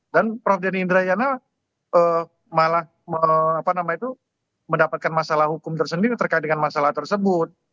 dan prof denny indrayana malah mendapatkan masalah hukum tersendiri terkait dengan masalah tersebut